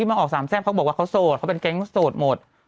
ที่มาออก๓เซ็กเขาบอกว่าเขาโสดเขาเป็นแงที่โสดหมด